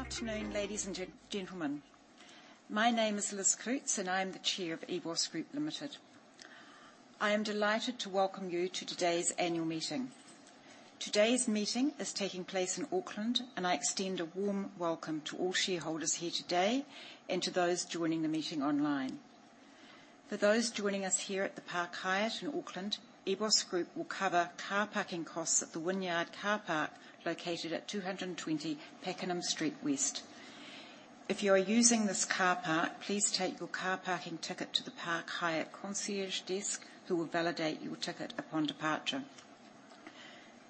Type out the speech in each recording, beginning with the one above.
Good afternoon, ladies and gentlemen. My name is Liz Coutts, and I'm the chair of EBOS Group Limited. I am delighted to welcome you to today's annual meeting. Today's meeting is taking place in Auckland, and I extend a warm welcome to all shareholders here today and to those joining the meeting online. For those joining us here at the Park Hyatt in Auckland, EBOS Group will cover car parking costs at the Wynyard Carpark, located at 220 Pakenham Street West. If you are using this car park, please take your car parking ticket to the Park Hyatt concierge desk, who will validate your ticket upon departure.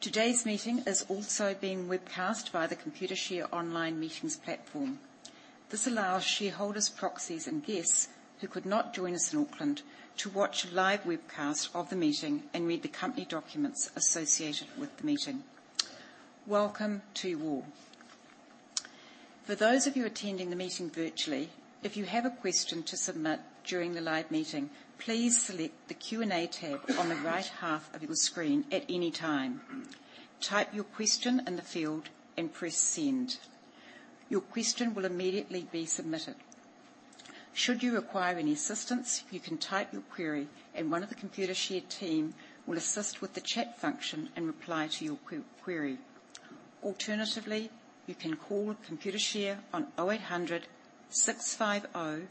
Today's meeting is also being webcast via the Computershare online meetings platform. This allows shareholders, proxies and guests who could not join us in Auckland to watch a live webcast of the meeting and read the company documents associated with the meeting. Welcome to you all. For those of you attending the meeting virtually, if you have a question to submit during the live meeting, please select the Q&A tab on the right half of your screen at any time. Type your question in the field and press Send. Your question will immediately be submitted. Should you require any assistance, you can type your query and one of the Computershare team will assist with the chat function and reply to your query. Alternatively, you can call Computershare on 0800 650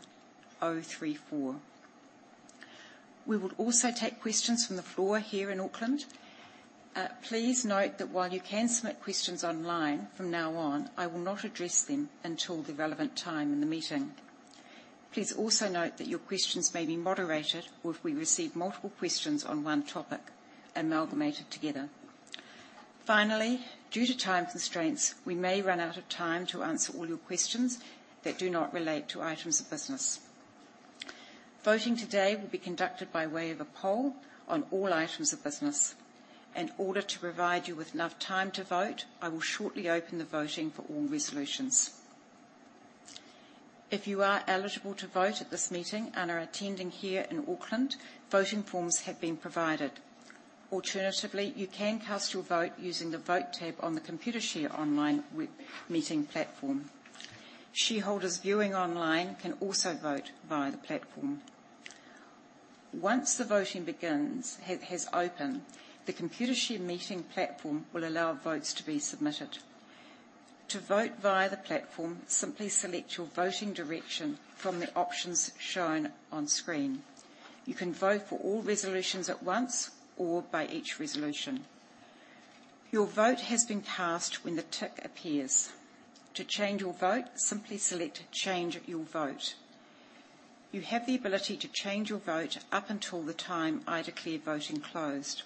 034. We will also take questions from the floor here in Auckland. Please note that while you can submit questions online from now on, I will not address them until the relevant time in the meeting. Please also note that your questions may be moderated, or if we receive multiple questions on one topic, amalgamated together. Finally, due to time constraints, we may run out of time to answer all your questions that do not relate to items of business. Voting today will be conducted by way of a poll on all items of business. In order to provide you with enough time to vote, I will shortly open the voting for all resolutions. If you are eligible to vote at this meeting and are attending here in Auckland, voting forms have been provided. Alternatively, you can cast your vote using the Vote tab on the Computershare online web meeting platform. Shareholders viewing online can also vote via the platform. Once the voting has opened, the Computershare meeting platform will allow votes to be submitted. To vote via the platform, simply select your voting direction from the options shown on screen. You can vote for all resolutions at once or by each resolution. Your vote has been cast when the tick appears. To change your vote, simply select Change Your Vote. You have the ability to change your vote up until the time I declare voting closed.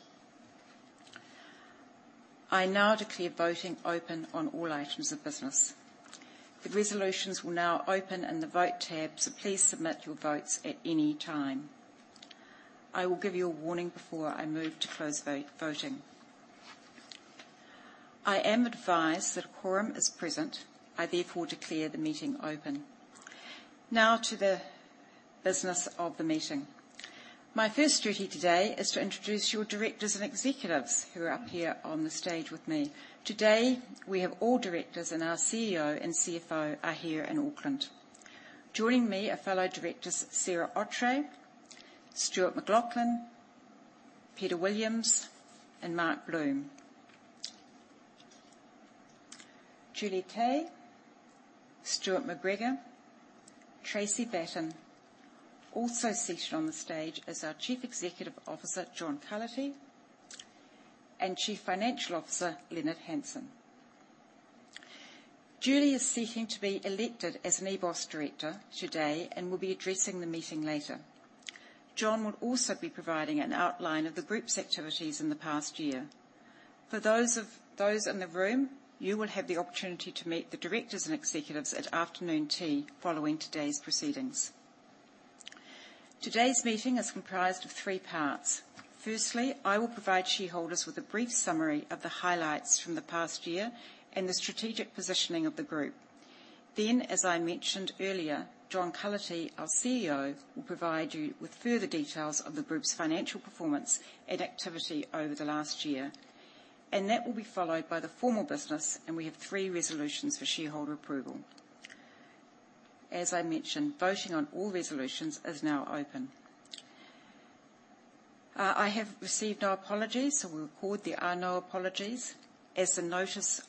I now declare voting open on all items of business. The resolutions will now open in the Vote tab, so please submit your votes at any time. I will give you a warning before I move to close voting. I am advised that a quorum is present. I therefore declare the meeting open. Now to the business of the meeting. My first duty today is to introduce your directors and executives who are up here on the stage with me. Today, we have all directors, and our CEO and CFO are here in Auckland. Joining me are fellow directors, Sarah Ottrey, Stuart McLauchlan, Peter Williams, and Mark Bloom. Julie Tay, Stuart McGregor, Tracey Batten. Also seated on the stage is our Chief Executive Officer, John Cullity, and Chief Financial Officer, Leonard Hansen. Julie is seeking to be elected as an EBOS director today and will be addressing the meeting later. John will also be providing an outline of the group's activities in the past year. For those in the room, you will have the opportunity to meet the directors and executives at afternoon tea following today's proceedings. Today's meeting is comprised of three parts: firstly, I will provide shareholders with a brief summary of the highlights from the past year and the strategic positioning of the group. Then, as I mentioned earlier, John Cullity, our CEO, will provide you with further details of the group's financial performance and activity over the last year, and that will be followed by the formal business, and we have three resolutions for shareholder approval. As I mentioned, voting on all resolutions is now open. I have received no apologies, so we record there are no apologies. As the notice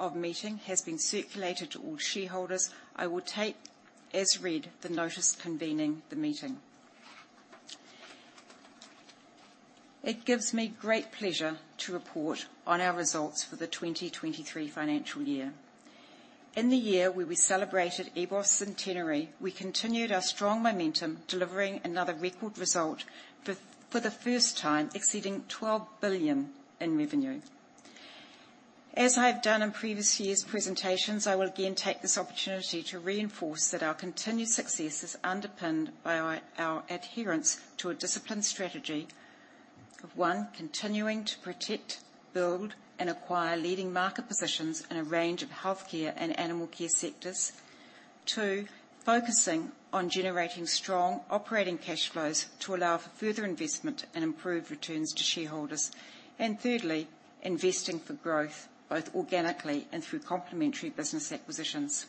of meeting has been circulated to all shareholders, I will take as read the notice convening the meeting. It gives me great pleasure to report on our results for the 2023 financial year. In the year where we celebrated EBOS centenary, we continued our strong momentum, delivering another record result for the first time, exceeding 12 billion in revenue. As I have done in previous years' presentations, I will again take this opportunity to reinforce that our continued success is underpinned by our adherence to a disciplined strategy of, one, continuing to protect, build, and acquire leading market positions in a range of healthcare and animal care sectors. Two, focusing on generating strong operating cash flows to allow for further investment and improved returns to shareholders. And thirdly, investing for growth, both organically and through complementary business acquisitions.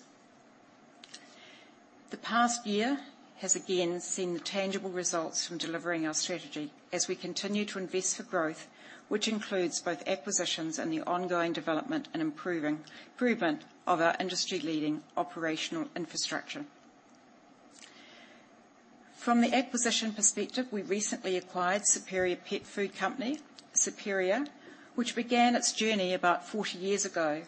The past year has again seen the tangible results from delivering our strategy as we continue to invest for growth, which includes both acquisitions and the ongoing development and improvement of our industry-leading operational infrastructure. From the acquisition perspective, we recently acquired Superior Pet Food Company, Superior, which began its journey about 40 years ago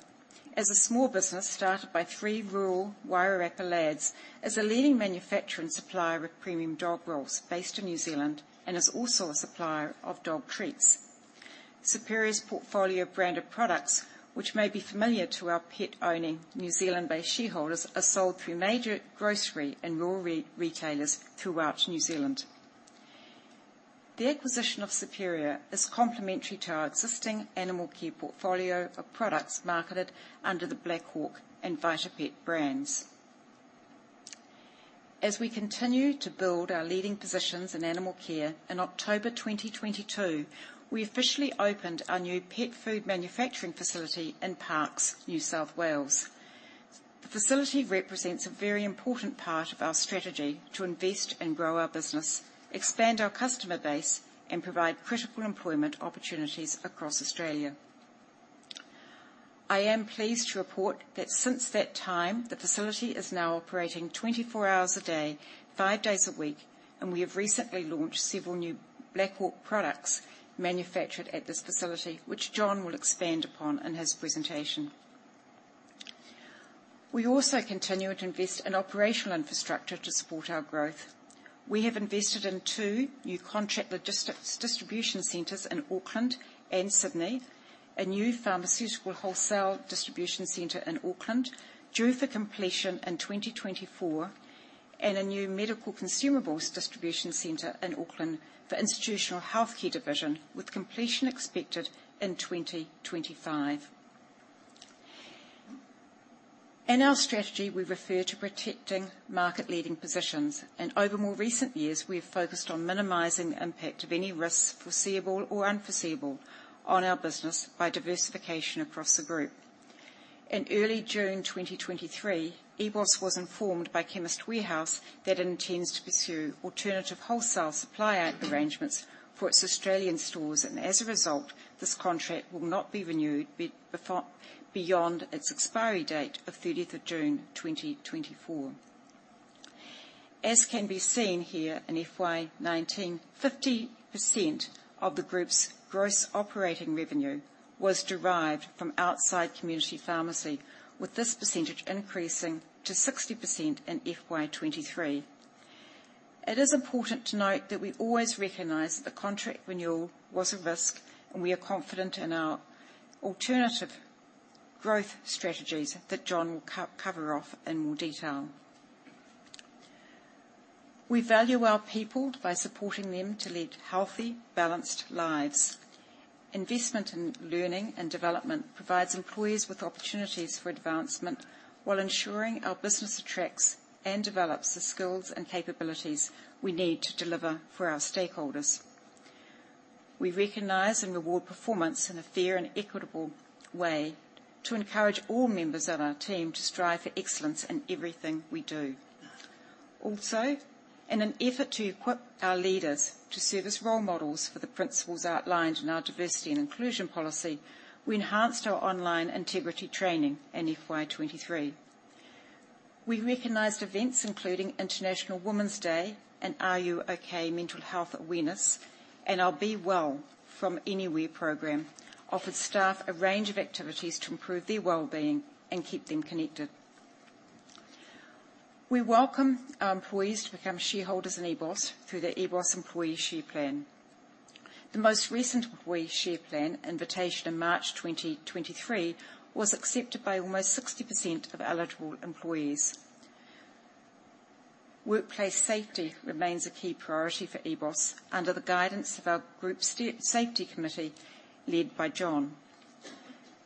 as a small business started by three rural Wairarapa lads, as a leading manufacturer and supplier of premium dog rolls based in New Zealand, and is also a supplier of dog treats. Superior's portfolio of branded products, which may be familiar to our pet-owning, New Zealand-based shareholders, are sold through major grocery and rural retailers throughout New Zealand. The acquisition of Superior is complementary to our existing animal care portfolio of products marketed under the Black Hawk and VitaPet brands. As we continue to build our leading positions in animal care, in October 2022, we officially opened our new pet food manufacturing facility in Parkes, New South Wales. The facility represents a very important part of our strategy to invest and grow our business, expand our customer base, and provide critical employment opportunities across Australia. I am pleased to report that since that time, the facility is now operating 24 hours a day, 5 days a week, and we have recently launched several new Black Hawk products manufactured at this facility, which John will expand upon in his presentation. We also continue to invest in operational infrastructure to support our growth. We have invested in 2 new contract logistics distribution centers in Auckland and Sydney, a new pharmaceutical wholesale distribution center in Auckland, due for completion in 2024, and a new medical consumables distribution center in Auckland for institutional healthcare division, with completion expected in 2025. In our strategy, we refer to protecting market-leading positions, and over more recent years, we have focused on minimizing the impact of any risks, foreseeable or unforeseeable, on our business, by diversification across the Group. In early June 2023, EBOS was informed by Chemist Warehouse that it intends to pursue alternative wholesale supply arrangements for its Australian stores, and as a result, this contract will not be renewed beyond its expiry date of thirtieth of June 2024. As can be seen here, in FY 2019, 50% of the Group's gross operating revenue was derived from outside community pharmacy, with this percentage increasing to 60% in FY 2023. It is important to note that we always recognize that the contract renewal was a risk, and we are confident in our alternative growth strategies that John will cover off in more detail. We value our people by supporting them to lead healthy, balanced lives. Investment in learning and development provides employees with opportunities for advancement while ensuring our business attracts and develops the skills and capabilities we need to deliver for our stakeholders. We recognize and reward performance in a fair and equitable way to encourage all members of our team to strive for excellence in everything we do. Also, in an effort to equip our leaders to serve as role models for the principles outlined in our diversity and inclusion policy, we enhanced our online integrity training in FY 2023. We recognized events including International Women's Day and R U OK? mental health awareness, and our Be Well From Anywhere program, offered staff a range of activities to improve their well-being and keep them connected. We welcome our employees to become shareholders in EBOS through the EBOS employee share plan. The most recent employee share plan invitation in March 2023 was accepted by almost 60% of eligible employees. Workplace safety remains a key priority for EBOS under the guidance of our Group Safety Committee, led by John.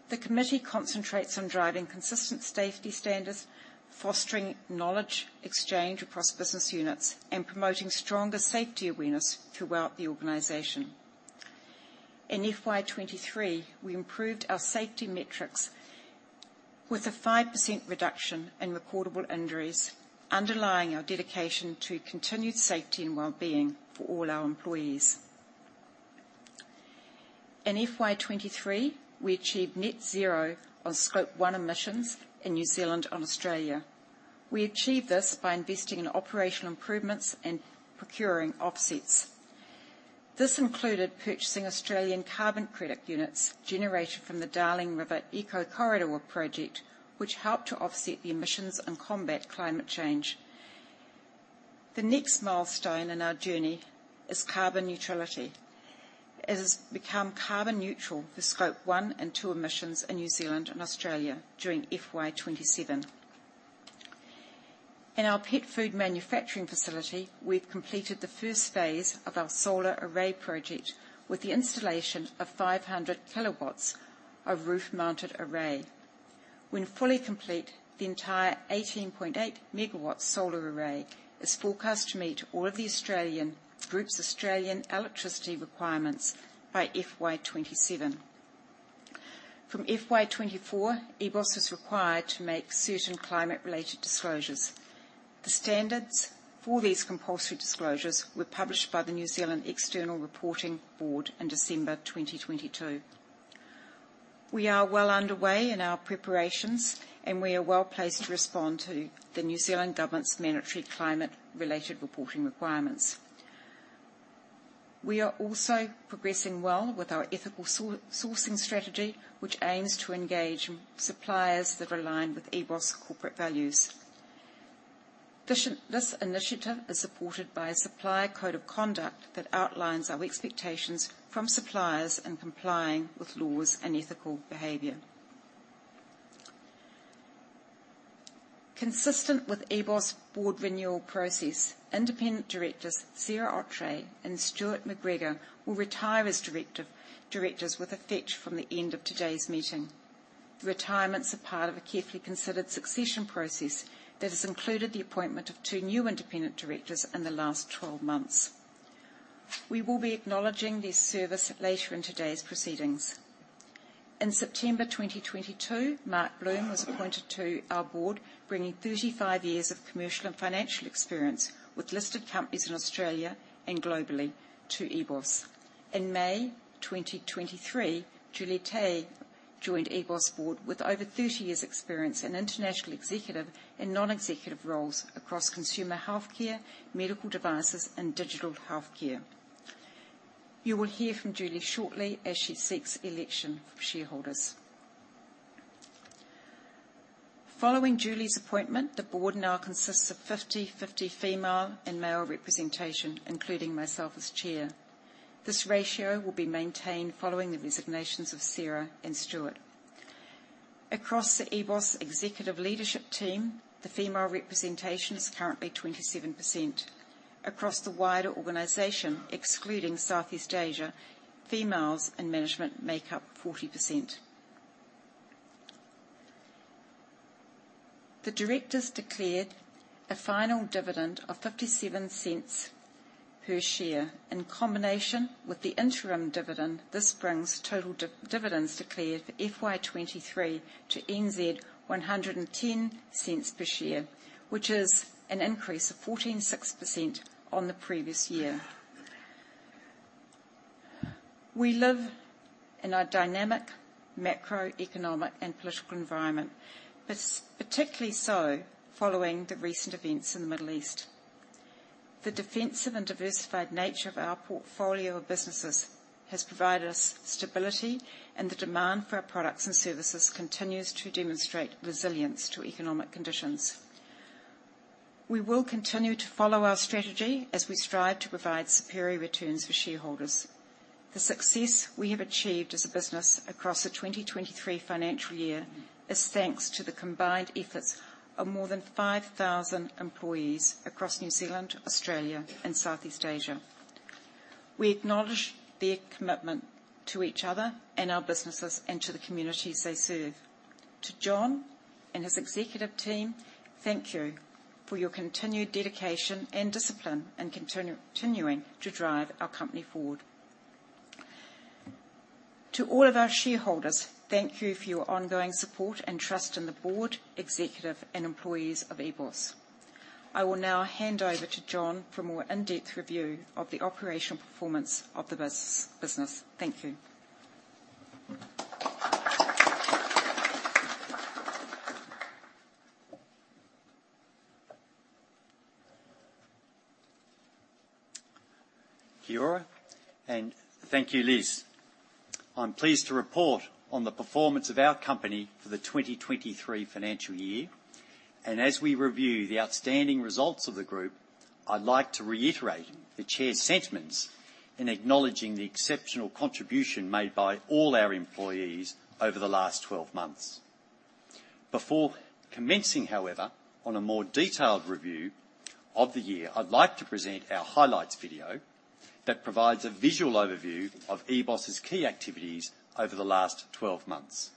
The committee concentrates on driving consistent safety standards, fostering knowledge exchange across business units, and promoting stronger safety awareness throughout the organization. In FY 2023, we improved our safety metrics with a 5% reduction in recordable injuries, underlying our dedication to continued safety and well-being for all our employees. In FY 2023, we achieved net zero on Scope 1 Emissions in New Zealand and Australia. We achieved this by investing in operational improvements and procuring offsets. This included purchasing Australian carbon credit units generated from the Darling River Eco Corridor Project, which helped to offset the emissions and combat climate change. The next milestone in our journey is carbon neutrality, as become carbon neutral for Scope 1 and 2 emissions in New Zealand and Australia during FY 2027. In our pet food manufacturing facility, we've completed the first phase of our solar array project with the installation of 500 kW, a roof-mounted array. When fully complete, the entire 18.8 MW solar array is forecast to meet all of the group's Australian electricity requirements by FY 2027. From FY 2024, EBOS is required to make certain climate-related disclosures. The standards for these compulsory disclosures were published by the New Zealand External Reporting Board in December 2022. We are well underway in our preparations, and we are well-placed to respond to the New Zealand government's mandatory climate-related reporting requirements. We are also progressing well with our ethical sourcing strategy, which aims to engage suppliers that are aligned with EBOS corporate values. This initiative is supported by a supplier code of conduct that outlines our expectations from suppliers in complying with laws and ethical behavior. Consistent with EBOS' board renewal process, independent directors, Sarah Ottrey and Stuart McGregor, will retire as directors with effect from the end of today's meeting. The retirements are part of a carefully considered succession process that has included the appointment of two new independent directors in the last 12 months. We will be acknowledging their service later in today's proceedings. In September 2022, Mark Bloom was appointed to our board, bringing 35 years of commercial and financial experience with listed companies in Australia and globally to EBOS. In May 2023, Julie Tay joined EBOS board with over 30 years' experience in international executive and non-executive roles across consumer healthcare, medical devices, and digital healthcare. You will hear from Julie shortly as she seeks election for shareholders. Following Julie's appointment, the board now consists of 50/50 female and male representation, including myself as chair. This ratio will be maintained following the resignations of Sarah and Stuart. Across the EBOS executive leadership team, the female representation is currently 27%. Across the wider organization, excluding Southeast Asia, females in management make up 40%. The directors declared a final dividend of 0.57 per share. In combination with the interim dividend, this brings total dividends declared for FY 2023 to 1.10 per share, which is an increase of 14.6% on the previous year. We live in a dynamic macroeconomic and political environment, particularly so following the recent events in the Middle East. The defensive and diversified nature of our portfolio of businesses has provided us stability, and the demand for our products and services continues to demonstrate resilience to economic conditions. We will continue to follow our strategy as we strive to provide superior returns for shareholders. The success we have achieved as a business across the 2023 financial year is thanks to the combined efforts of more than 5,000 employees across New Zealand, Australia, and Southeast Asia. We acknowledge their commitment to each other and our businesses and to the communities they serve. To John and his executive team, thank you for your continued dedication and discipline in continuing to drive our company forward. To all of our shareholders, thank you for your ongoing support and trust in the board, executive, and employees of EBOS. I will now hand over to John for a more in-depth review of the operational performance of the business. Thank you. Kia ora, and thank you, Liz. I'm pleased to report on the performance of our company for the 2023 financial year. As we review the outstanding results of the group, I'd like to reiterate the chair's sentiments in acknowledging the exceptional contribution made by all our employees over the last twelve months. Before commencing, however, on a more detailed review of the year, I'd like to present our highlights video that provides a visual overview of EBOS's key activities over the last 12 months.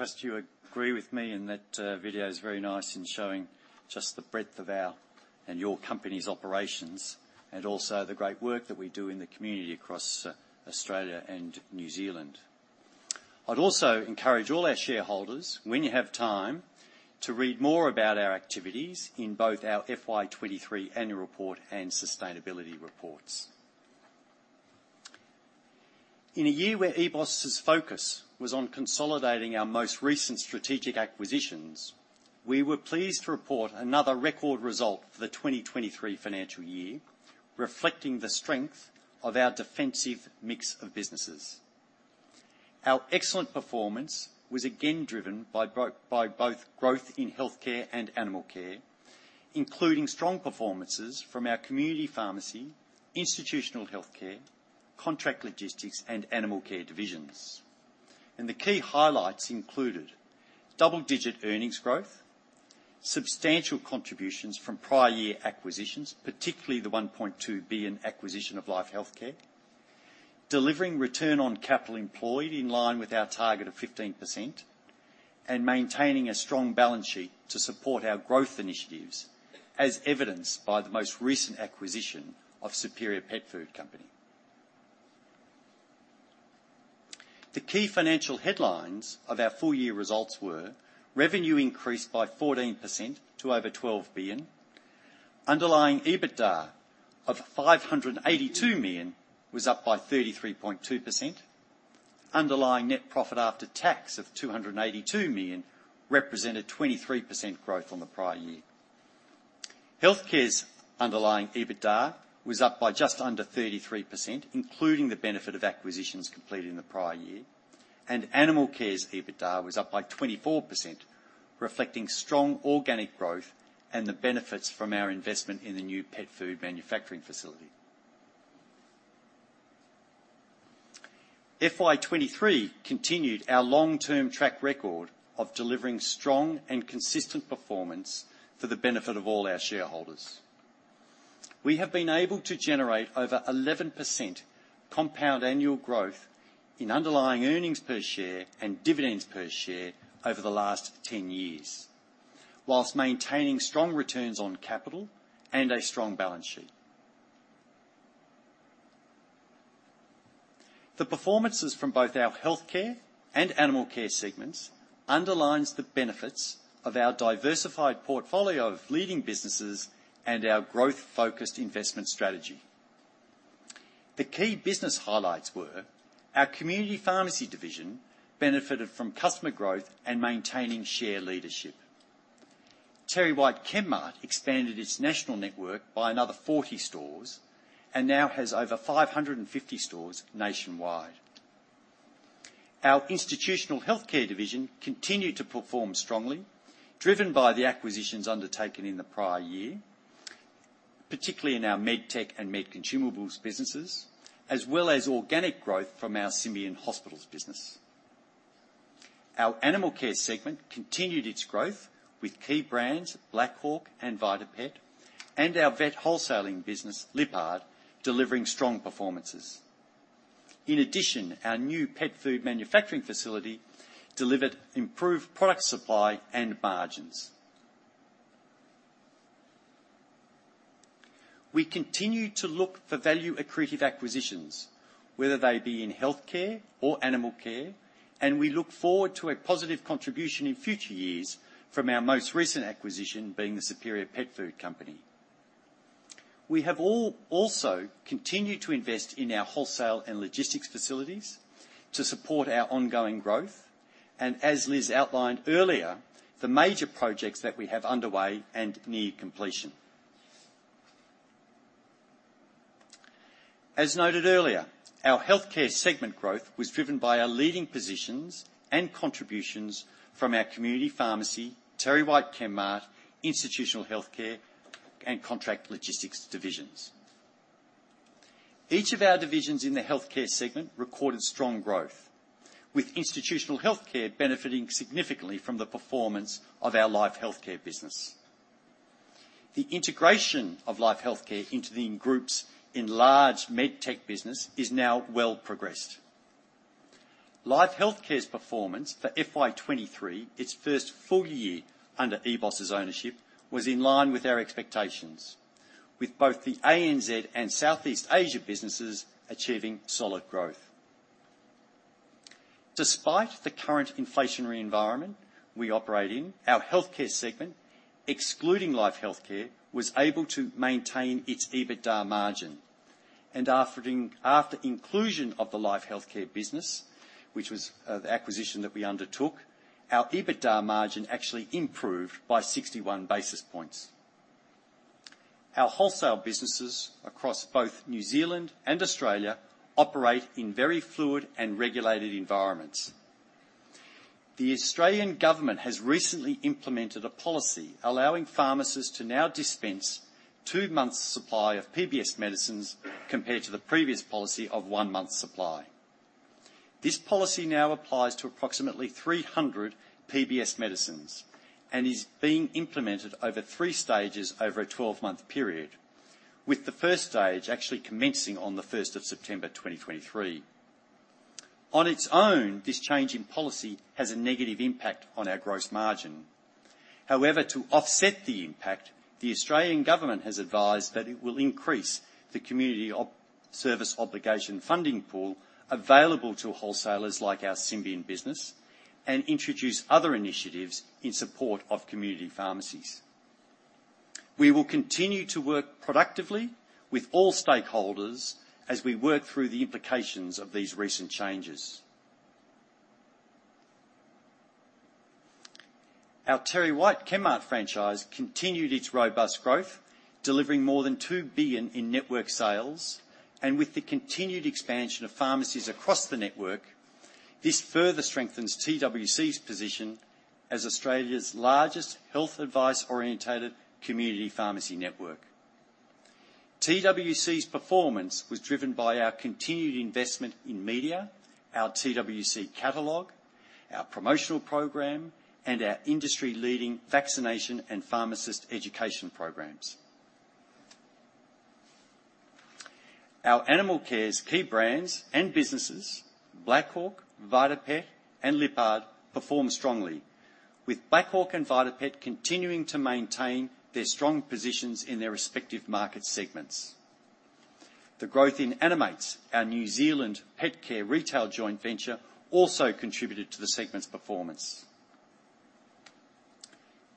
I trust you agree with me in that video is very nice in showing just the breadth of our and your company's operations, and also the great work that we do in the community across Australia and New Zealand. I'd also encourage all our shareholders, when you have time, to read more about our activities in both our FY 2023 annual report and sustainability reports. In a year where EBOS's focus was on consolidating our most recent strategic acquisitions, we were pleased to report another record result for the 2023 financial year, reflecting the strength of our defensive mix of businesses. Our excellent performance was again driven by by both growth in healthcare and animal care, including strong performances from our community pharmacy, institutional healthcare, contract logistics, and animal care divisions. The key highlights included, double-digit earnings growth, substantial contributions from prior year acquisitions, particularly the 1.2 billion acquisition of LifeHealthcare, delivering return on capital employed in line with our target of 15%, and maintaining a strong balance sheet to support our growth initiatives, as evidenced by the most recent acquisition of Superior Pet Food Company. The key financial headlines of our full year results were, revenue increased by 14% to over 12 billion, underlying EBITDA of 582 million was up by 33.2%. Underlying net profit after tax of 282 million represented 23% growth on the prior year. Healthcare's underlying EBITDA was up by just under 33%, including the benefit of acquisitions completed in the prior year, and Animal Care's EBITDA was up by 24%, reflecting strong organic growth and the benefits from our investment in the new pet food manufacturing facility. FY 2023 continued our long-term track record of delivering strong and consistent performance for the benefit of all our shareholders. We have been able to generate over 11% compound annual growth in underlying earnings per share and dividends per share over the last 10 years, while maintaining strong returns on capital and a strong balance sheet. The performances from both our healthcare and animal care segments underlines the benefits of our diversified portfolio of leading businesses and our growth-focused investment strategy. The key business highlights were, our community pharmacy division benefited from customer growth and maintaining share leadership. TerryWhite Chemmart expanded its national network by another 40 stores and now has over 550 stores nationwide. Our institutional healthcare division continued to perform strongly, driven by the acquisitions undertaken in the prior year, particularly in our med tech and med consumables businesses, as well as organic growth from our Symbion Hospitals business. Our animal care segment continued its growth with key brands, Black Hawk and VitaPet, and our vet wholesaling business, Lyppard, delivering strong performances. In addition, our new pet food manufacturing facility delivered improved product supply and margins. We continue to look for value accretive acquisitions, whether they be in healthcare or animal care, and we look forward to a positive contribution in future years from our most recent acquisition, being the Superior Pet Food Company. We have also continued to invest in our wholesale and logistics facilities to support our ongoing growth, and as Liz outlined earlier, the major projects that we have underway and near completion. As noted earlier, our healthcare segment growth was driven by our leading positions and contributions from our community pharmacy, TerryWhite Chemmart, Institutional Healthcare, and Contract Logistics divisions. Each of our divisions in the healthcare segment recorded strong growth, with Institutional Healthcare benefiting significantly from the performance of our LifeHealthcare business. The integration of LifeHealthcare into the group's enlarged MedTech business is now well progressed. LifeHealthcare's performance for FY 2023, its first full year under EBOS's ownership, was in line with our expectations, with both the ANZ and Southeast Asia businesses achieving solid growth. Despite the current inflationary environment we operate in, our healthcare segment, excluding LifeHealthcare, was able to maintain its EBITDA margin. After inclusion of the LifeHealthcare business, which was the acquisition that we undertook, our EBITDA margin actually improved by 61 basis points. Our wholesale businesses across both New Zealand and Australia operate in very fluid and regulated environments. The Australian Government has recently implemented a policy allowing pharmacists to now dispense two months' supply of PBS medicines, compared to the previous policy of one month's supply. This policy now applies to approximately 300 PBS medicines and is being implemented over three stages over a 12-month period, with the first stage actually commencing on the first of September, 2023. On its own, this change in policy has a negative impact on our gross margin. However, to offset the impact, the Australian Government has advised that it will increase the Community Service Obligation funding pool available to wholesalers like our Symbion business and introduce other initiatives in support of community pharmacies. We will continue to work productively with all stakeholders as we work through the implications of these recent changes. Our TerryWhite Chemmart franchise continued its robust growth, delivering more than 2 billion in network sales, and with the continued expansion of pharmacies across the network, this further strengthens TWC's position as Australia's largest health advice-oriented community pharmacy network. TWC's performance was driven by our continued investment in media, our TWC catalog, our promotional program, and our industry-leading vaccination and pharmacist education programs. Our Animal Care's key brands and businesses, Black Hawk, VitaPet, and Lyppard, performed strongly, with Black Hawk and VitaPet continuing to maintain their strong positions in their respective market segments. The growth in Animates, our New Zealand pet care retail joint venture, also contributed to the segment's performance.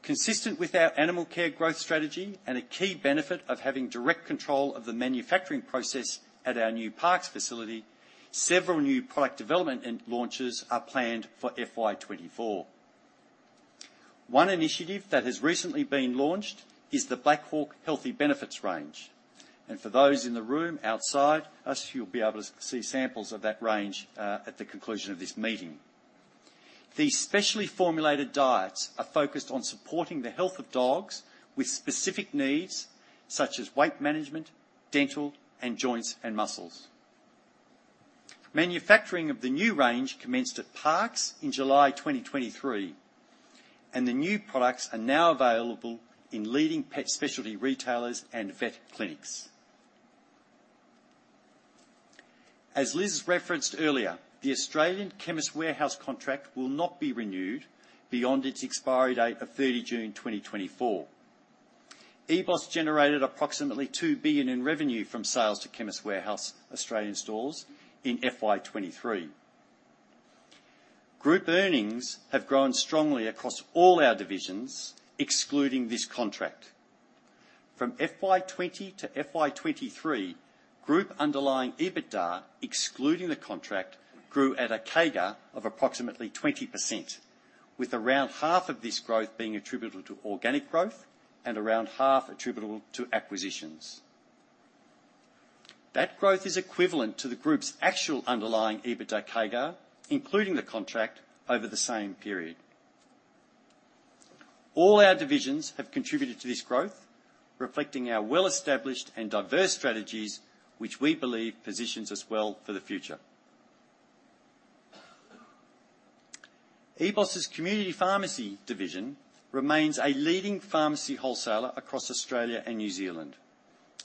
Consistent with our animal care growth strategy and a key benefit of having direct control of the manufacturing process at our new Parkes facility, several new product development and launches are planned for FY 2024. One initiative that has recently been launched is the Black Hawk Healthy Benefits range. And for those in the room outside, as you'll be able to see samples of that range at the conclusion of this meeting. These specially formulated diets are focused on supporting the health of dogs with specific needs such as weight management, dental, and joints and muscles. Manufacturing of the new range commenced at Parkes in July 2023, and the new products are now available in leading pet specialty retailers and vet clinics. As Liz referenced earlier, the Australian Chemist Warehouse contract will not be renewed beyond its expiry date of 30 June 2024. EBOS generated approximately 2 billion in revenue from sales to Chemist Warehouse Australian stores in FY 2023. Group earnings have grown strongly across all our divisions, excluding this contract. From FY 2020-FY 2023, group underlying EBITDA, excluding the contract, grew at a CAGR of approximately 20%, with around half of this growth being attributable to organic growth and around half attributable to acquisitions. That growth is equivalent to the group's actual underlying EBITDA CAGR, including the contract over the same period. All our divisions have contributed to this growth, reflecting our well-established and diverse strategies, which we believe positions us well for the future. EBOS's Community Pharmacy division remains a leading pharmacy wholesaler across Australia and New Zealand,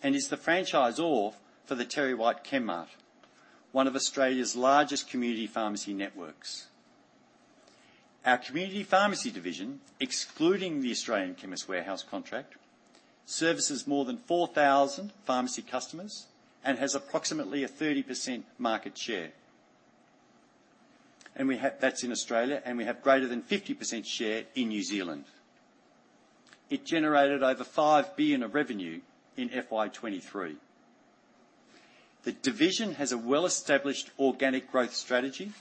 and is the franchisor for the TerryWhite Chemmart, one of Australia's largest community pharmacy networks. Our Community Pharmacy division, excluding the Australian Chemist Warehouse contract, services more than 4,000 pharmacy customers and has approximately a 30% market share. That's in Australia, and we have greater than 50% share in New Zealand. It generated over 5 billion of revenue in FY 2023. The division has a well-established organic growth strategy,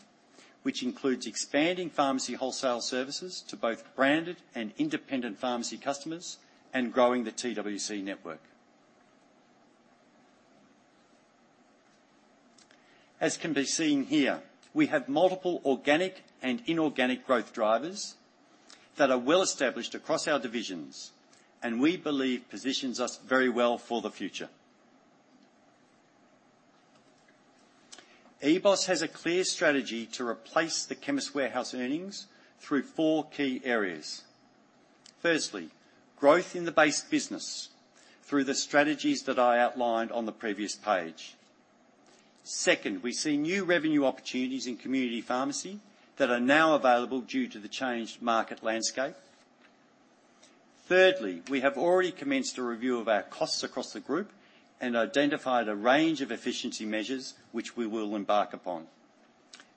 which includes expanding pharmacy wholesale services to both branded and independent pharmacy customers and growing the TWC network. As can be seen here, we have multiple organic and inorganic growth drivers that are well established across our divisions, and we believe positions us very well for the future. EBOS has a clear strategy to replace the Chemist Warehouse earnings through four key areas. Firstly, growth in the base business through the strategies that I outlined on the previous page. Second, we see new revenue opportunities in community pharmacy that are now available due to the changed market landscape. Thirdly, we have already commenced a review of our costs across the group and identified a range of efficiency measures which we will embark upon.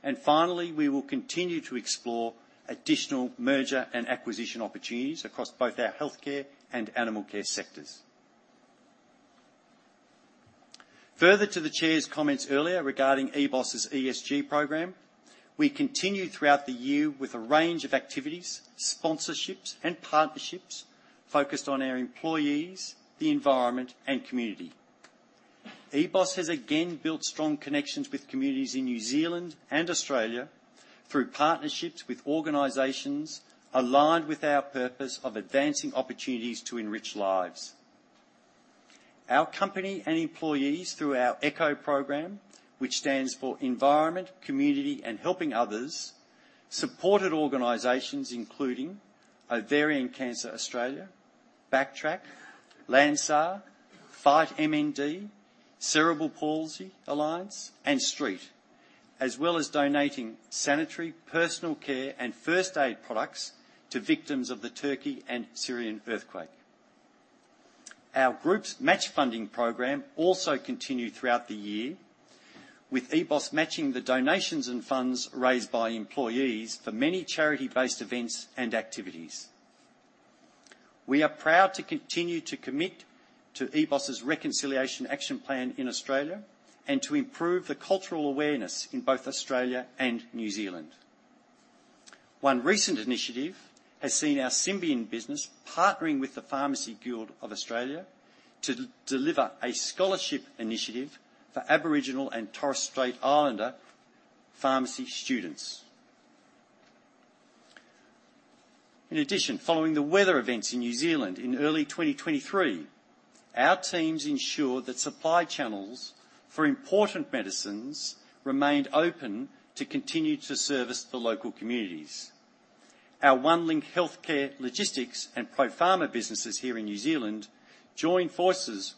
And finally, we will continue to explore additional merger and acquisition opportunities across both our healthcare and animal care sectors. Further to the Chair's comments earlier regarding EBOS's ESG program, we continued throughout the year with a range of activities, sponsorships, and partnerships focused on our employees, the environment, and community. EBOS has again built strong connections with communities in New Zealand and Australia through partnerships with organizations aligned with our purpose of advancing opportunities to enrich lives. Our company and employees, through our ECHO program, which stands for Environment, Community, and Helping Others, supported organizations including Ovarian Cancer Australia, BackTrack, LandSAR, FightMND, Cerebral Palsy Alliance, and Street, as well as donating sanitary, personal care, and first aid products to victims of the Turkey and Syrian earthquake. Our group's match funding program also continued throughout the year, with EBOS matching the donations and funds raised by employees for many charity-based events and activities. We are proud to continue to commit to EBOS's Reconciliation Action Plan in Australia, and to improve the cultural awareness in both Australia and New Zealand. One recent initiative has seen our Symbion business partnering with the Pharmacy Guild of Australia to deliver a scholarship initiative for Aboriginal and Torres Strait Islander pharmacy students. In addition, following the weather events in New Zealand in early 2023, our teams ensured that supply channels for important medicines remained open to continue to service the local communities. Our Onelink Healthcare Logistics and Pro Pharma businesses here in New Zealand joined forces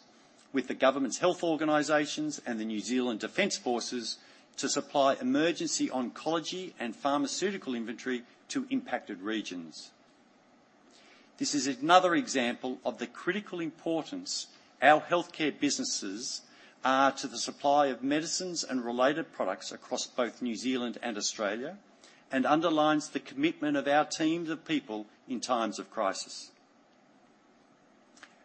with the government's health organizations and the New Zealand Defence Forces to supply emergency oncology and pharmaceutical inventory to impacted regions. This is another example of the critical importance our healthcare businesses are to the supply of medicines and related products across both New Zealand and Australia, and underlines the commitment of our teams of people in times of crisis.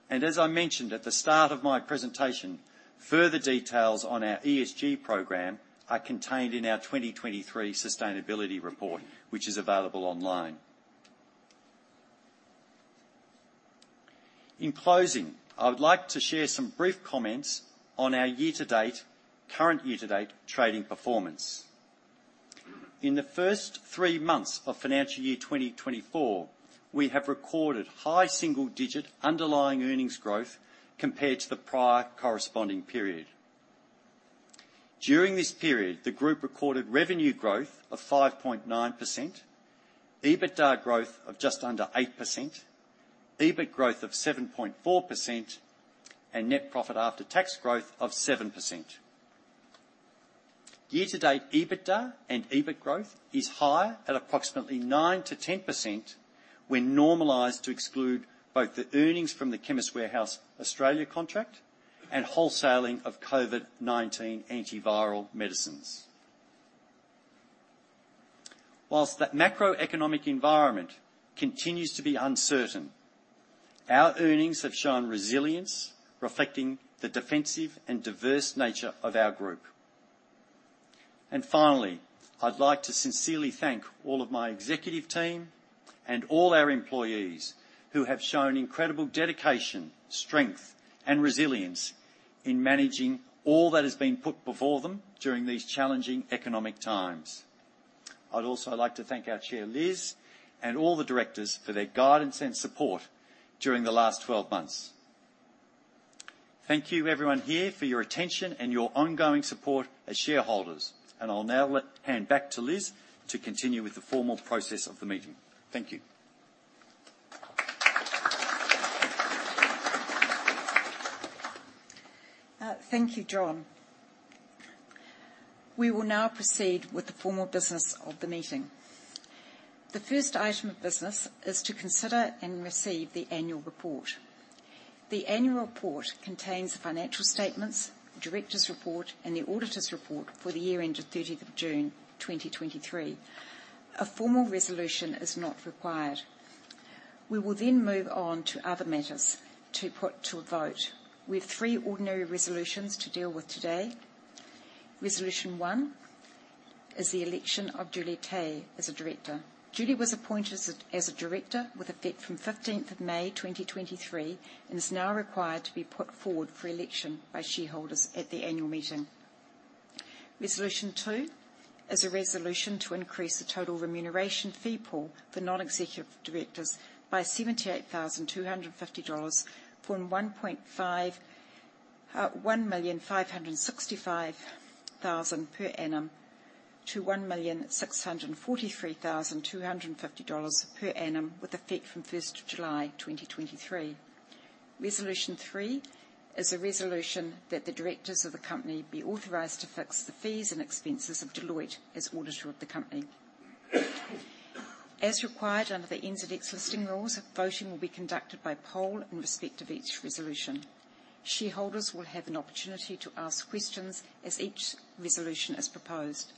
As I mentioned at the start of my presentation, further details on our ESG program are contained in our 2023 sustainability report, which is available online. In closing, I would like to share some brief comments on our year-to-date current year-to-date trading performance. In the first three months of financial year 2024, we have recorded high single-digit underlying earnings growth compared to the prior corresponding period. During this period, the group recorded revenue growth of 5.9%, EBITDA growth of just under 8%, EBIT growth of 7.4%, and net profit after tax growth of 7%. Year-to-date, EBITDA and EBIT growth is higher, at approximately 9%-10% when normalized to exclude both the earnings from the Chemist Warehouse Australia contract and wholesaling of COVID-19 antiviral medicines. While the macroeconomic environment continues to be uncertain, our earnings have shown resilience, reflecting the defensive and diverse nature of our group. Finally, I'd like to sincerely thank all of my executive team and all our employees who have shown incredible dedication, strength, and resilience in managing all that has been put before them during these challenging economic times. I'd also like to thank our chair, Liz, and all the directors for their guidance and support during the last 12 months. Thank you everyone here, for your attention and your ongoing support as shareholders. I'll now let hand back to Liz to continue with the formal process of the meeting. Thank you. Thank you, John. We will now proceed with the formal business of the meeting. The first item of business is to consider and receive the annual report. The annual report contains the financial statements, directors' report, and the auditors' report for the year ended 30th of June, 2023. A formal resolution is not required. We will then move on to other matters to put to a vote. We have three ordinary resolutions to deal with today. Resolution one is the election of Julie Tay as a director. Julie was appointed as a director with effect from 15th of May, 2023, and is now required to be put forward for election by shareholders at the annual meeting. Resolution 2 is a resolution to increase the total remuneration fee pool for non-executive directors by NZD 78,250 from 1,565,000 per annum to 1,643,250 dollars per annum, with effect from July 1, 2023. Resolution three is a resolution that the directors of the company be authorized to fix the fees and expenses of Deloitte as auditor of the company. As required under the NZX listing rules, voting will be conducted by poll in respect of each resolution. Shareholders will have an opportunity to ask questions as each resolution is proposed.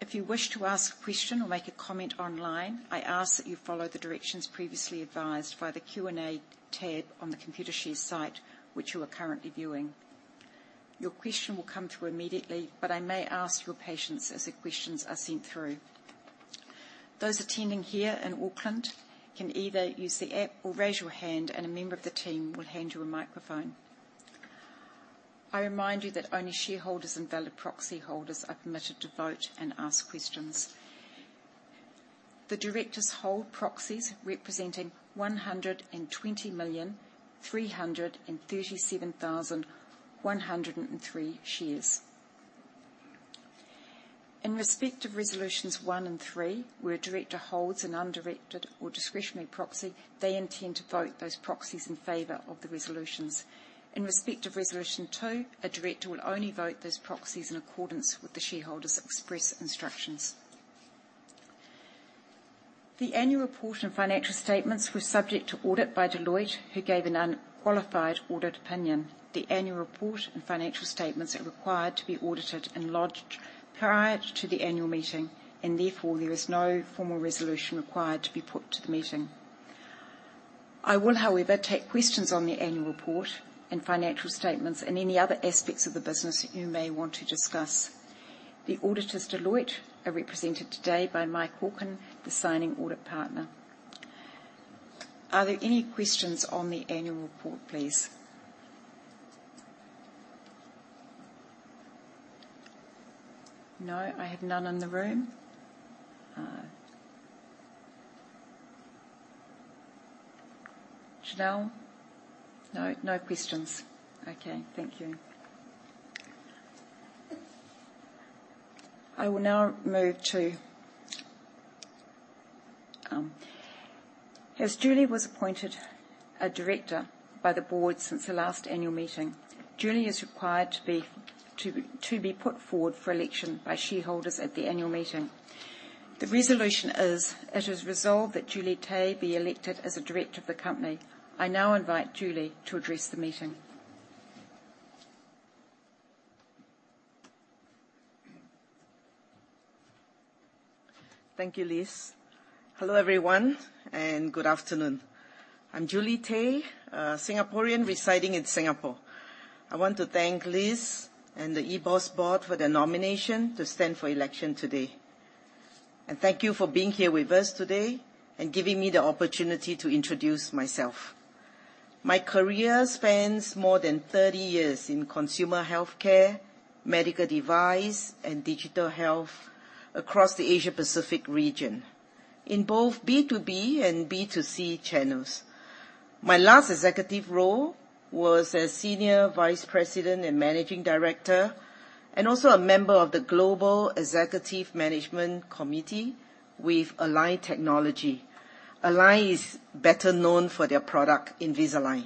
If you wish to ask a question or make a comment online, I ask that you follow the directions previously advised via the Q&A tab on the Computershare site, which you are currently viewing. Your question will come through immediately, but I may ask your patience as the questions are sent through. Those attending here in Auckland can either use the app or raise your hand, and a member of the team will hand you a microphone. I remind you that only shareholders and valid proxy holders are permitted to vote and ask questions. The directors hold proxies representing 120,337,103 shares. In respect of resolutions one and three, where a director holds an undirected or discretionary proxy, they intend to vote those proxies in favor of the resolutions. In respect of resolution two, a director will only vote those proxies in accordance with the shareholder's express instructions. The annual report and financial statements were subject to audit by Deloitte, who gave an unqualified audit opinion. The annual report and financial statements are required to be audited and lodged prior to the annual meeting, and therefore there is no formal resolution required to be put to the meeting. I will, however, take questions on the annual report and financial statements and any other aspects of the business that you may want to discuss. The auditors, Deloitte, are represented today by Mike Hawken, the signing audit partner. Are there any questions on the annual report, please? No, I have none in the room. Janelle? No, questions. Okay, thank you. I will now move to. As Julie was appointed a director by the board since the last annual meeting, Julie is required to be put forward for election by shareholders at the annual meeting. The resolution is, it is resolved that Julie Tay be elected as a director of the company. I now invite Julie to address the meeting. Thank you, Liz. Hello, everyone, and good afternoon. I'm Julie Tay, a Singaporean residing in Singapore. I want to thank Liz and the EBOS board for their nomination to stand for election today. Thank you for being here with us today and giving me the opportunity to introduce myself. My career spans more than 30 years in consumer healthcare, medical device, and digital health across the Asia Pacific region, in both B2B and B2C channels. My last executive role was as Senior Vice President and Managing Director, and also a member of the Global Executive Management Committee with Align Technology. Align is better known for their product, Invisalign.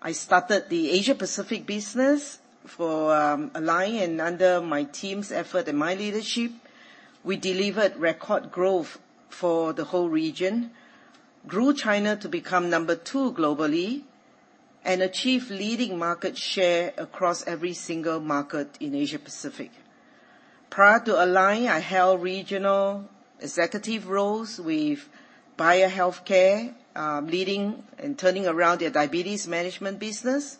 I started the Asia Pacific business for Align, and under my team's effort and my leadership, we delivered record growth for the whole region, grew China to become number 2 globally, and achieved leading market share across every single market in Asia Pacific. Prior to Align, I held regional executive roles with Bayer Healthcare, leading and turning around their diabetes management business.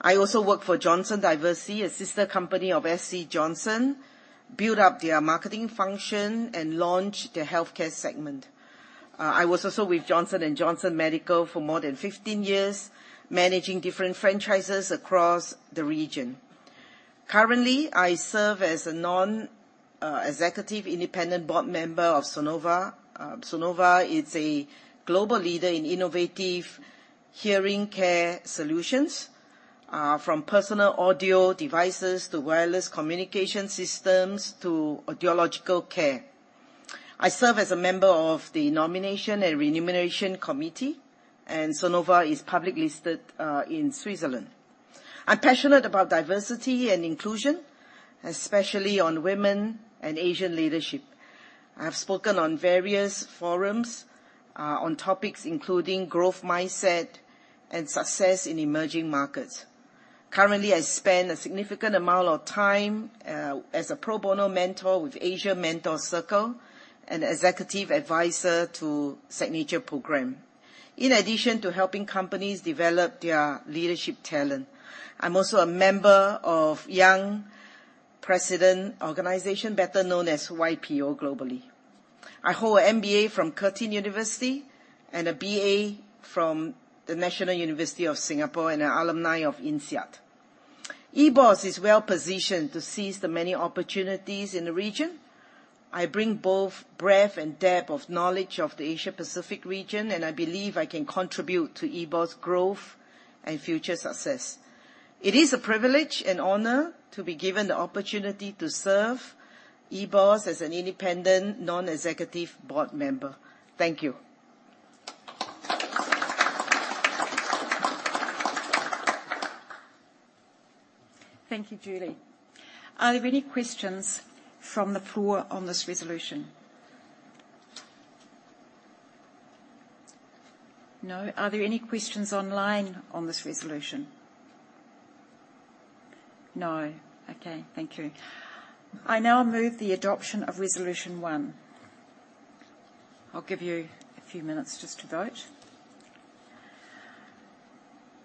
I also worked for JohnsonDiversey, a sister company of SC Johnson, built up their marketing function, and launched their healthcare segment. I was also with Johnson & Johnson Medical for more than 15 years, managing different franchises across the region. Currently, I serve as a non-executive independent board member of Sonova. Sonova is a global leader in innovative hearing care solutions, from personal audio devices to wireless communication systems to audiological care. I serve as a member of the Nomination and Remuneration Committee, and Sonova is publicly listed in Switzerland. I'm passionate about diversity and inclusion, especially on women and Asian leadership. I've spoken on various forums on topics including growth mindset and success in emerging markets. Currently, I spend a significant amount of time as a pro bono mentor with Asia Mentor Circle and executive advisor to Signature Program. In addition to helping companies develop their leadership talent, I'm also a member of Young Presidents' Organization, better known as YPO globally. I hold an MBA from Curtin University and a BA from the National University of Singapore, and an alumna of INSEAD. EBOS is well-positioned to seize the many opportunities in the region. I bring both breadth and depth of knowledge of the Asia Pacific region, and I believe I can contribute to EBOS's growth and future success. It is a privilege and honor to be given the opportunity to serve EBOS as an independent, non-executive board member. Thank you. Thank you, Julie. Are there any questions from the floor on this resolution? No. Are there any questions online on this resolution? No. Okay, thank you. I now move the adoption of Resolution One. I'll give you a few minutes just to vote.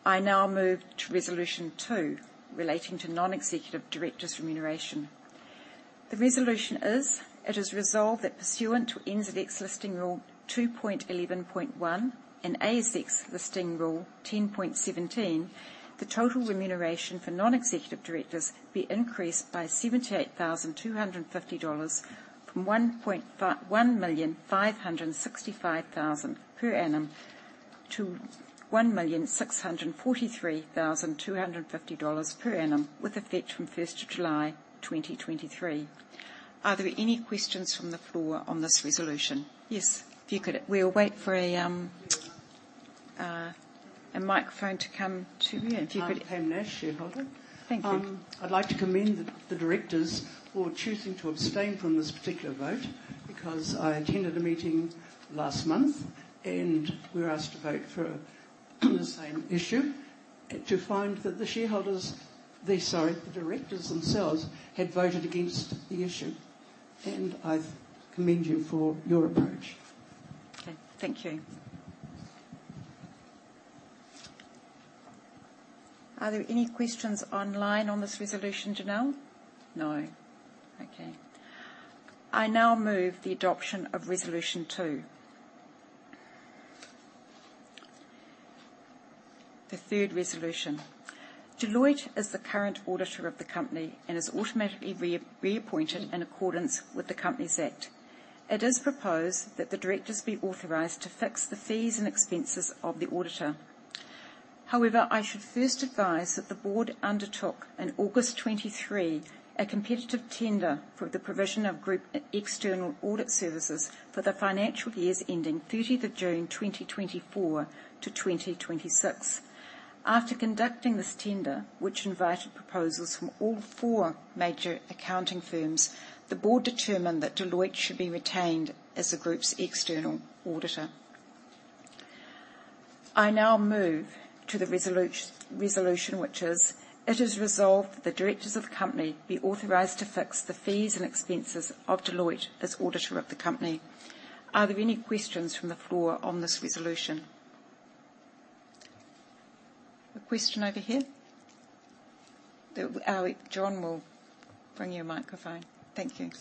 I now move to Resolution Two, relating to non-executive directors' remuneration. The resolution is: It is resolved that pursuant to NZX Listing Rule 2.11.1 and ASX Listing Rule 10.17, the total remuneration for non-executive directors be increased by NZD 78,250 from NZD 1,565,000 per annum to NZD 1,643,250 per annum, with effect from July 1, 2023. Are there any questions from the floor on this resolution? Yes, if you could...We'll wait for a microphone to come to you. I'm Pam Nash, shareholder. Thank you. I'd like to commend the directors for choosing to abstain from this particular vote, because I attended a meeting last month, and we were asked to vote for the same issue, to find that the shareholders, the directors themselves, had voted against the issue, and I commend you for your approach. Okay. Thank you. Are there any questions online on this resolution, Janelle? No. Okay. I now move the adoption of Resolution Two. The third resolution: Deloitte is the current auditor of the company and is automatically reappointed in accordance with the Companies Act. It is proposed that the directors be authorized to fix the fees and expenses of the auditor. However, I should first advise that the board undertook, in August 2023, a competitive tender for the provision of group external audit services for the financial years ending thirtieth of June, 2024-2026. After conducting this tender, which invited proposals from all four major accounting firms, the board determined that Deloitte should be retained as the group's external auditor. I now move to the resolution, which is: It is resolved that the directors of the company be authorized to fix the fees and expenses of Deloitte as auditor of the company. Are there any questions from the floor on this resolution? A question over here. Then, John will bring you a microphone. Thank you.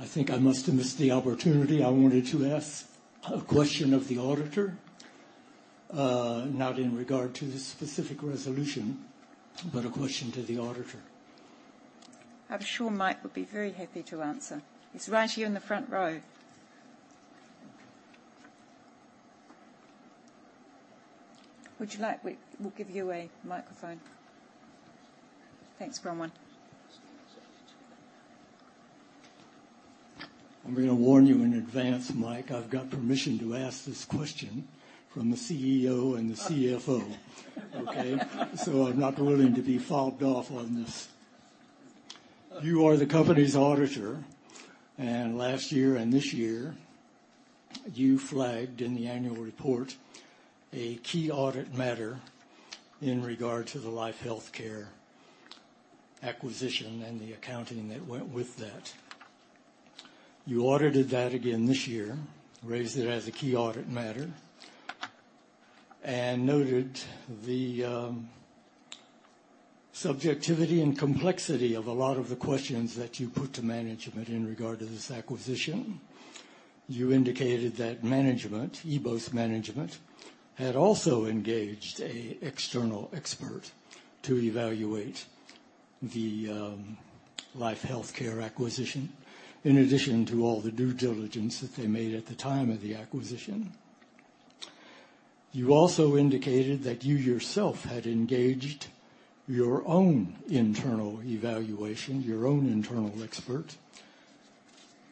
I think I must have missed the opportunity. I wanted to ask a question of the auditor, not in regard to this specific resolution, but a question to the auditor. I'm sure Mike would be very happy to answer. He's right here in the front row. Would you like? We'll give you a microphone. Thanks, Bronwen. I'm gonna warn you in advance, Mike. I've got permission to ask this question from the CEO and the CFO. Okay? So I'm not willing to be fobbed off on this. You are the company's auditor, and last year and this year, you flagged in the annual report a key audit matter in regard to the LifeHealthcare acquisition and the accounting that went with that. You audited that again this year, raised it as a key audit matter, and noted the subjectivity and complexity of a lot of the questions that you put to management in regard to this acquisition. You indicated that management, EBOS management, had also engaged a external expert to evaluate the LifeHealthcare acquisition, in addition to all the due diligence that they made at the time of the acquisition. You also indicated that you yourself had engaged your own internal evaluation, your own internal expert,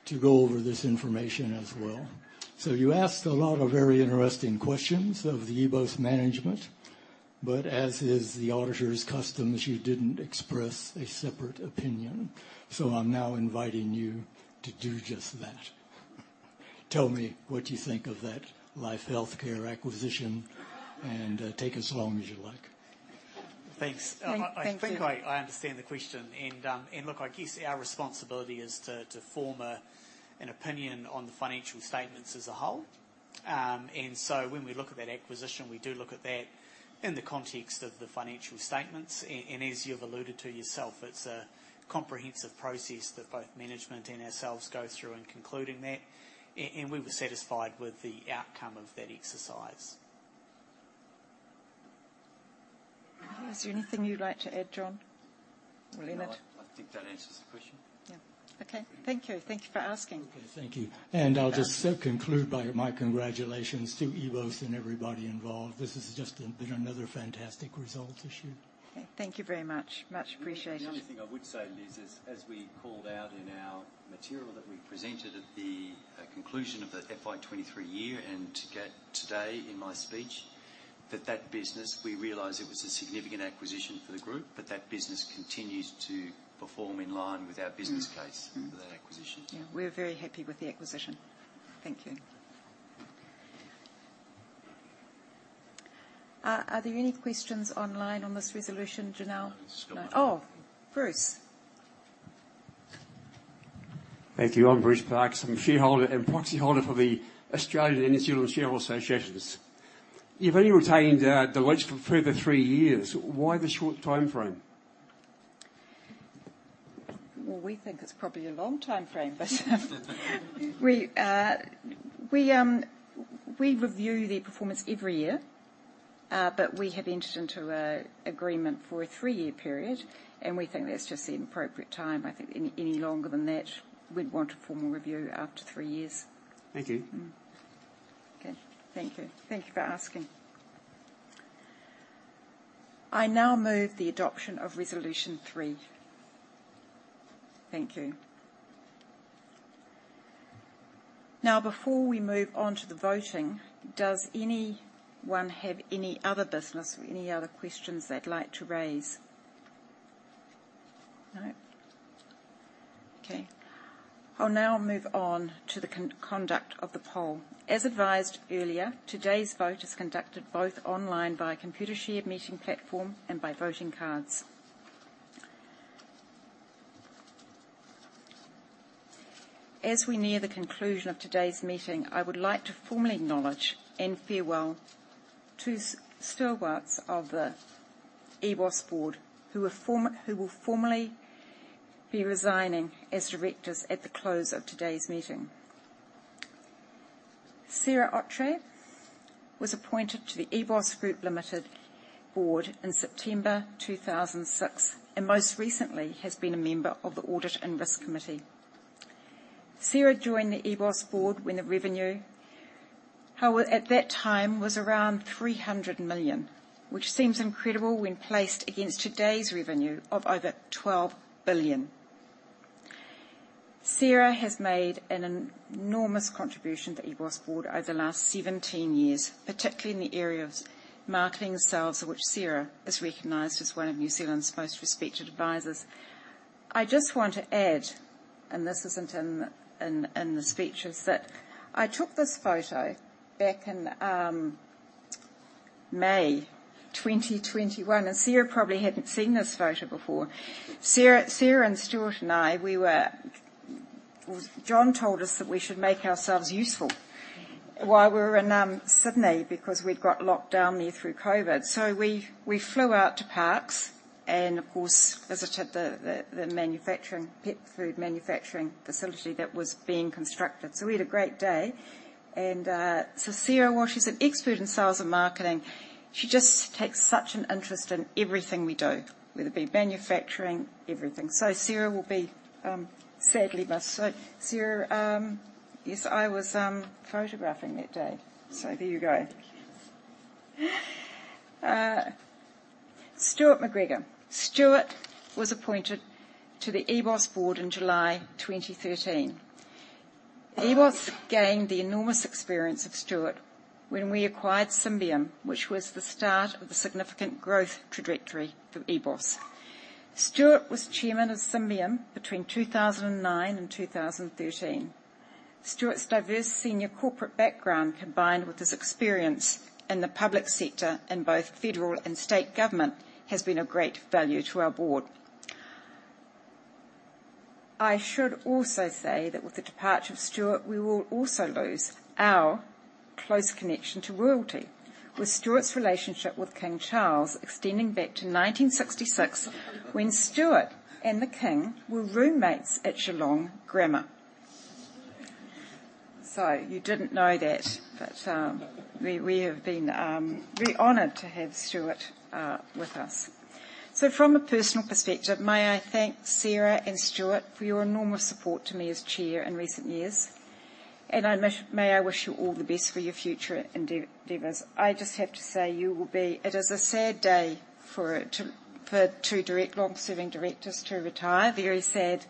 to go over this information as well. So you asked a lot of very interesting questions of the EBOS management, but as is the auditor's custom, you didn't express a separate opinion. So I'm now inviting you to do just that. Tell me what you think of that LifeHealthcare acquisition, and take as long as you like. Thanks. Thank you. I think I understand the question. Look, I guess our responsibility is to form an opinion on the financial statements as a whole. When we look at that acquisition, we do look at that in the context of the financial statements. As you've alluded to yourself, it's a comprehensive process that both management and ourselves go through in concluding that. We were satisfied with the outcome of that exercise. Is there anything you'd like to add, John or Leonard? No, I think that answers the question. Yeah. Okay, thank you. Thank you for asking. Okay, thank you. And I'll just so conclude by my congratulations to EBOS and everybody involved. This has just been another fantastic result this year. Okay, thank you very much. Much appreciated. The only thing I would say, Liz, is as we called out in our material that we presented at the, conclusion of the FY 2023 year, and to get today in my speech, that that business, we realize it was a significant acquisition for the group, but that business continues to perform in line with our business case for that acquisition. Yeah, we're very happy with the acquisition. Thank you. Are there any questions online on this resolution, Janelle? No. Oh, Bruce. Thank you. I'm Bruce Parkes. I'm a shareholder and proxyholder for the Australian and New Zealand Shareholders Associations. You've only retained Deloitte for a further three years. Why the short timeframe? Well, we think it's probably a long timeframe, but we review their performance every year, but we have entered into an agreement for a three-year period, and we think that's just the appropriate time. I think any longer than that, we'd want a formal review after three years. Thank you. Okay, thank you. Thank you for asking. I now move the adoption of resolution three. Thank you. Now, before we move on to the voting, does anyone have any other business or any other questions they'd like to raise? No. Okay, I'll now move on to the conduct of the poll. As advised earlier, today's vote is conducted both online by a Computershare meeting platform and by voting cards. As we near the conclusion of today's meeting, I would like to formally acknowledge and farewell two stewards of the EBOS board who will formally be resigning as directors at the close of today's meeting. Sarah Ottrey was appointed to the EBOS Group Limited board in September 2006, and most recently has been a member of the Audit and Risk Committee. Sarah joined the EBOS board when the revenue, however, at that time, was around 300 million, which seems incredible when placed against today's revenue of over 12 billion. Sarah has made an enormous contribution to EBOS board over the last 17 years, particularly in the area of marketing and sales, in which Sarah is recognized as one of New Zealand's most respected advisors. I just want to add, and this isn't in the speeches, that I took this photo back in May 2021, and Sarah probably hadn't seen this photo before. Sarah, Sarah and Stuart and I, we were... John told us that we should make ourselves useful while we were in Sydney, because we'd got locked down there through COVID. We flew out to Parkes and, of course, visited the pet food manufacturing facility that was being constructed. So we had a great day. And, so Sarah, well, she's an expert in sales and marketing. She just takes such an interest in everything we do, whether it be manufacturing, everything. So Sarah will be sadly missed. So Sarah, yes, I was photographing that day. So there you go. Stuart McGregor. Stuart was appointed to the EBOS board in July 2013. EBOS gained the enormous experience of Stuart when we acquired Symbion, which was the start of the significant growth trajectory for EBOS. Stuart was chairman of Symbion between 2009 and 2013. Stuart's diverse senior corporate background, combined with his experience in the public sector in both federal and state government, has been of great value to our board. I should also say that with the departure of Stuart, we will also lose our close connection to royalty, with Stuart's relationship with King Charles extending back to 1966, when Stuart and the King were roommates at Geelong Grammar. So you didn't know that, but we have been very honored to have Stuart with us. So from a personal perspective, may I thank Sarah and Stuart for your enormous support to me as chair in recent years, and may I wish you all the best for your future endeavors. I just have to say, you will be. It is a sad day for it to, for two direct long-serving directors to retire. Very sad,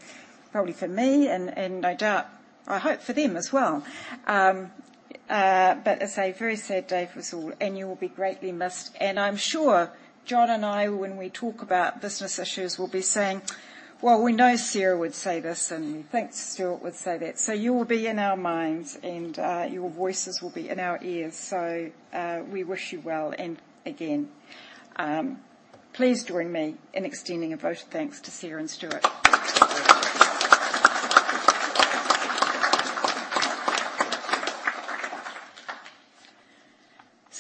probably for me, and I doubt, I hope for them as well. But it's a very sad day for us all, and you will be greatly missed. And I'm sure John and I, when we talk about business issues, we'll be saying: "Well, we know Sarah would say this," and, "I think Stuart would say that." So you will be in our minds, and your voices will be in our ears. So we wish you well. And again, please join me in extending a vote of thanks to Sarah and Stuart.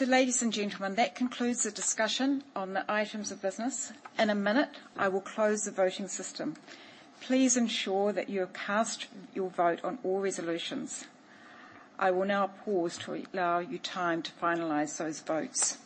So ladies and gentlemen, that concludes the discussion on the items of business. In a minute, I will close the voting system. Please ensure that you have cast your vote on all resolutions. I will now pause to allow you time to finalize those votes.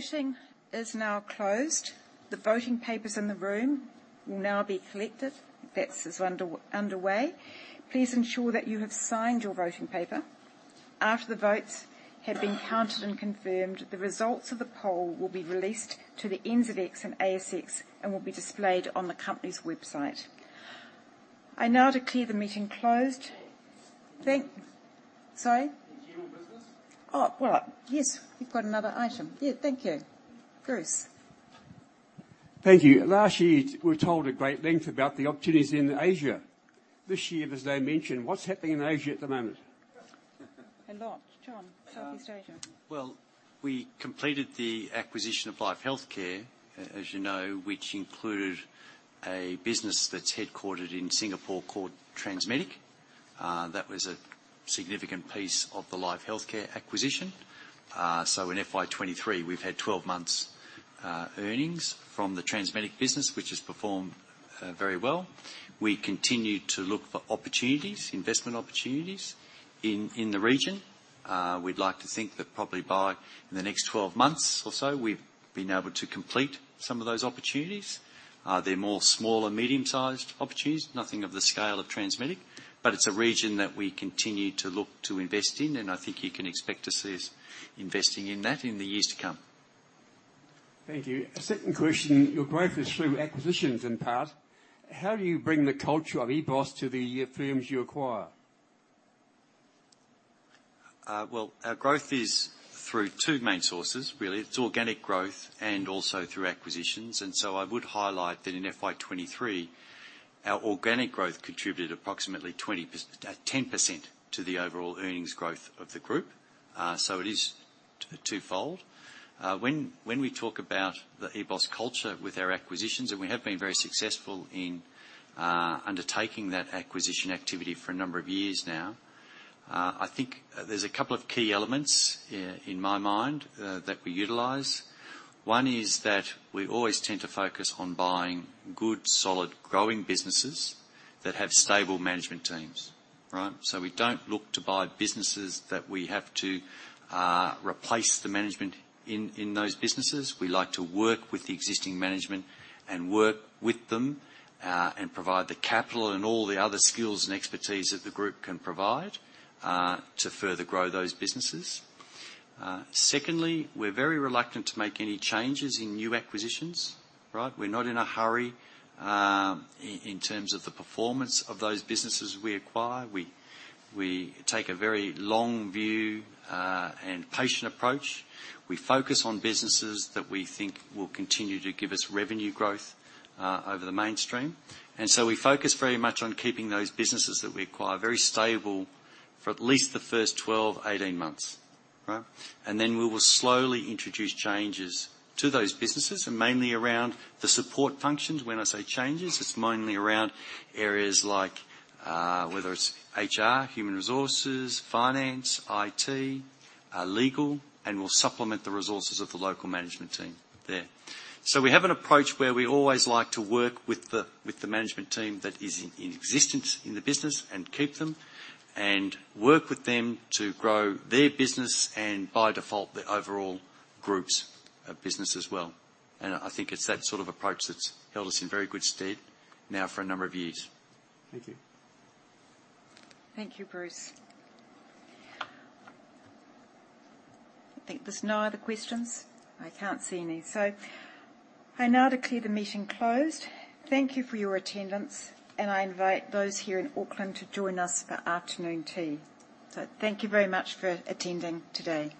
Voting is now closed. The voting papers in the room will now be collected. That is underway. Please ensure that you have signed your voting paper. After the votes have been counted and confirmed, the results of the poll will be released to the NZX and ASX and will be displayed on the company's website. I now declare the meeting closed. Thank. Sorry? General business. Oh, well, yes. We've got another item. Yeah, thank you. Bruce. Thank you. Last year, we were told at great length about the opportunities in Asia. This year, as I mentioned, what's happening in Asia at the moment? A lot. John, Southeast Asia. Well, we completed the acquisition of LifeHealthcare, as you know, which included a business that's headquartered in Singapore called Transmedic. That was a significant piece of the LifeHealthcare acquisition. So in FY 2023, we've had 12 months earnings from the Transmedic business, which has performed very well. We continue to look for opportunities, investment opportunities in the region. We'd like to think that probably by in the next 12 months or so, we've been able to complete some of those opportunities. They're more small and medium-sized opportunities, nothing of the scale of Transmedic, but it's a region that we continue to look to invest in, and I think you can expect to see us investing in that in the years to come. Thank you. A second question. Your growth is through acquisitions, in part. How do you bring the culture of EBOS to the firms you acquire? Well, our growth is through two main sources, really. It's organic growth and also through acquisitions. So I would highlight that in FY 2023, our organic growth contributed approximately 20%, 10% to the overall earnings growth of the group. So it is twofold. When we talk about the EBOS culture with our acquisitions, and we have been very successful in undertaking that acquisition activity for a number of years now, I think there's a couple of key elements in my mind that we utilize. One is that we always tend to focus on buying good, solid, growing businesses that have stable management teams, right? So we don't look to buy businesses that we have to replace the management in those businesses. We like to work with the existing management and work with them, and provide the capital and all the other skills and expertise that the group can provide, to further grow those businesses. Secondly, we're very reluctant to make any changes in new acquisitions, right? We're not in a hurry, in terms of the performance of those businesses we acquire. We take a very long view, and patient approach. We focus on businesses that we think will continue to give us revenue growth, over the mainstream. And so we focus very much on keeping those businesses that we acquire very stable for at least the first 12, 18 months, right? And then we will slowly introduce changes to those businesses, and mainly around the support functions. When I say changes, it's mainly around areas like whether it's HR, human resources, finance, IT, legal, and we'll supplement the resources of the local management team there. So we have an approach where we always like to work with the management team that is in existence in the business and keep them, and work with them to grow their business and, by default, the overall group's business as well. And I think it's that sort of approach that's held us in very good stead now for a number of years. Thank you. Thank you, Bruce. I think there's no other questions. I can't see any. So I now declare the meeting closed. Thank you for your attendance, and I invite those here in Auckland to join us for afternoon tea. So thank you very much for attending today.